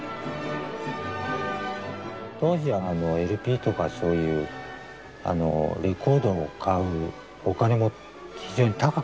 当時はＬＰとかそういうレコードを買うお金も非常に高かったもんですから。